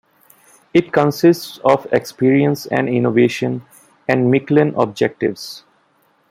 It consists of Experience and Innovation and Miquelon Objectives.